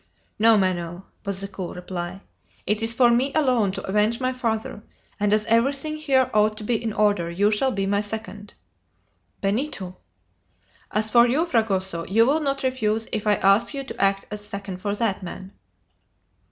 "No, Manoel," was the cool reply, "it is for me alone to avenge my father, and as everything here ought to be in order, you shall be my second." "Benito!" "As for you, Fragoso, you will not refuse if I ask you to act as second for that man?"